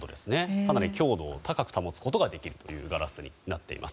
かなり強度を高く保つことができるというガラスになっています。